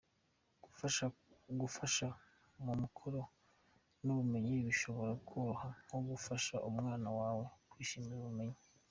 Gufasha mu mukoro yubumenyi bishobora koroha nko gufasha umwana wawe kwishimira ubumenyi.